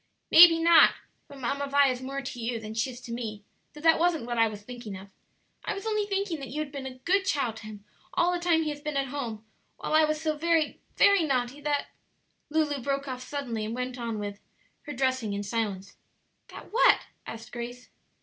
"Maybe not; but Mamma Vi is more to you than she is to me; though that wasn't what I was thinking of. I was only thinking that you had been a good child to him all the time he has been at home, while I was so very, very naughty that " Lulu broke off suddenly and went on with, her dressing in silence. "That what?" asked Grace.